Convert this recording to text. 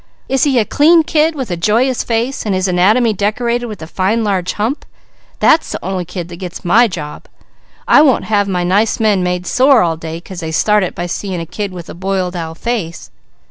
Is he a clean kid with a joyous face, and his anatomy decorated with a fine large hump? That's the only kind that gets my job. I won't have my nice men made sore all day 'cause they start it by seeing a kid with a boiled owl face."